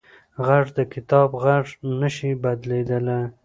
غږ د کتاب غږ نه شي بدلېدلی